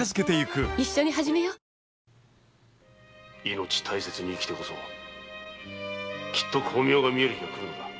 命大切に生きてこそきっと光明が見える日がくる。